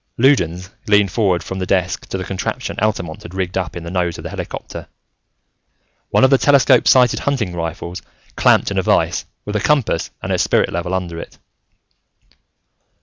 Loudons leaned forward from the desk to the contraption Altamont had rigged up in the nose of the helicopter; one of the telescope sighted hunting rifles clamped in a vise, with a compass and a spirit level under it.